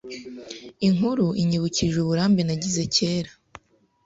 Inkuru inyibukije uburambe nagize kera .